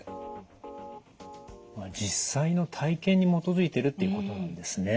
まあ実際の体験に基づいてるっていうことなんですね。